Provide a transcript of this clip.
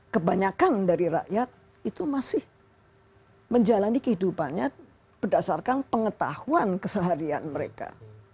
kebanyakan dari rakyat itu masih menjalani kehidupannya berdasarkan pengetahuan keseharian mereka